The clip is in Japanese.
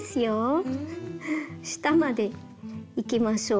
下までいきましょう。